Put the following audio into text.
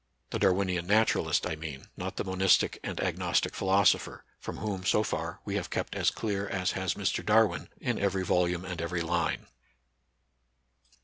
The Dar winian Naturalist, I mean, not the monistic and agnostic philosopher, — from whom, so far, we have kept as clear as has Mr. Darwin in every volume and every line.